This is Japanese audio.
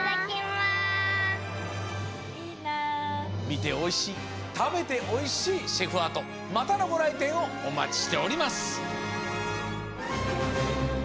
みておいしいたべておいしいシェフアートまたのごらいてんをおまちしております。